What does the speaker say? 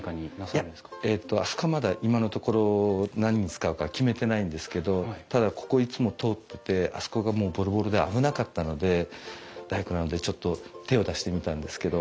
いやあそこはまだ今のところ何に使うか決めてないんですけどただここいつも通っててあそこがもうボロボロで危なかったので大工なのでちょっと手を出してみたんですけどはい。